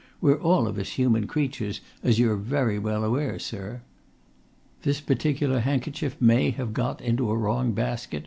"We're all of us human creatures, as you're very well aware, sir." "This particular handkerchief may have got into a wrong basket?"